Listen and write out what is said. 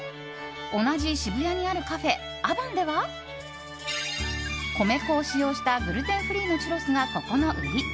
同じ渋谷にあるカフェａｖａｎでは米粉を使用したグルテンフリーのチュロスがここの売り。